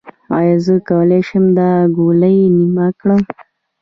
ایا زه کولی شم دا ګولۍ نیمه کړم؟